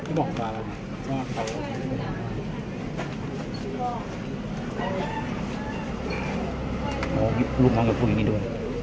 โอ้ลูกมองกับผู้หญิงนี่ดู